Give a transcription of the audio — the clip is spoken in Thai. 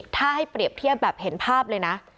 ถ้าให้เปรียบเทียบแบบเห็นภาพเลยนะ